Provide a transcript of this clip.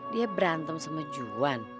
dia berantem sama juan